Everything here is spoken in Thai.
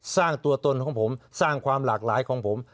สร้างตัวตนของผมสร้างความหลากหลายของผม